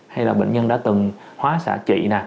hay là bệnh nhân đã từng hóa sạch